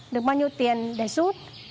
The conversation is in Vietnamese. được bao nhiêu tiền để rút